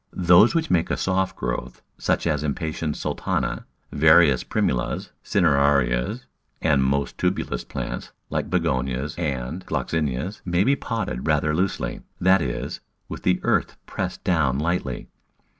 Those which make a soft growth, such as Impatiens sultana, various Primulas, Cinerarias, and most tuberous plants, like Begonias and Gloxinias, may be potted rather loosely, that is, with the earth pressed down lightly.